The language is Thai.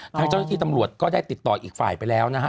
ทางเจ้าหน้าที่ตำรวจก็ได้ติดต่ออีกฝ่ายไปแล้วนะฮะ